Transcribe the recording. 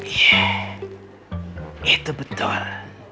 iya itu betul